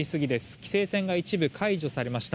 規制線が一部解除されました。